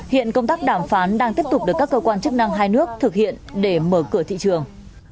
hiện công tác đàm phán đang tiếp tục được các cơ quan chức năng hai nước thực hiện để mở cửa thị trường